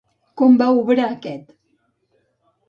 Com va obrar aquest?